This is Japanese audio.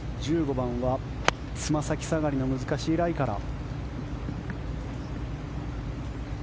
１５番はつま先下がりの難しいライから。